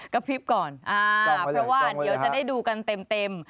พริบก่อนเพราะว่าเดี๋ยวจะได้ดูกันเต็ม